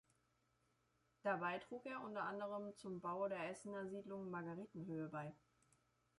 Dabei trug er unter anderem zum Bau des Essener Siedlung Margarethenhöhe bei.